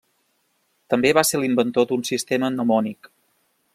També va ser l'inventor d'un sistema mnemònic.